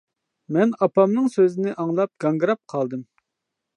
مەن ئاپامنىڭ سۆزىنى ئاڭلاپ گاڭگىراپ قالدىم.